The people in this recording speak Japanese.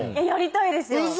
やりたいですよ